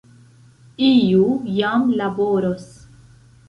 Iu jam laboros!